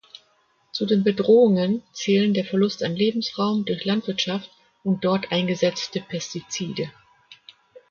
Zu den Bedrohungen zählen der Verlust an Lebensraum durch Landwirtschaft und dort eingesetzte Pestizide.